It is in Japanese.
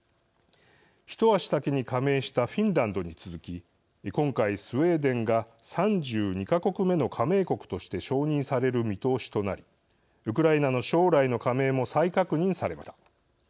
一足先に加盟したフィンランドに続き今回、スウェーデンが３２か国目の加盟国として承認される見通しとなりウクライナの将来の加盟も再確認されました。